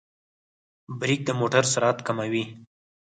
برېک د موټر سرعت کموي.